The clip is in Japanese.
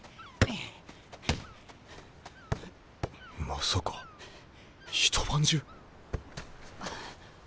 まさか一晩中？